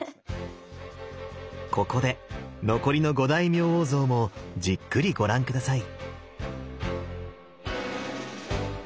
ここで残りの五大明王像もじっくりご覧下さい。